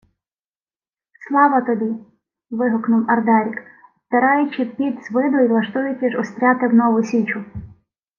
— Слава тобі! — вигукнув Ардарік, обтираючи піт із виду й лаштуючись устряти в нову січу.